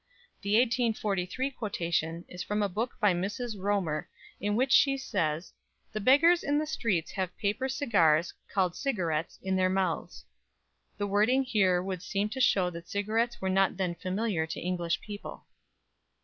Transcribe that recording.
The 1843 quotation is from a book by Mrs. Romer, in which she says "The beggars in the streets have paper cigars (called cigarettes) in their mouths." The wording here would seem to show that cigarettes were not then familiar to English people.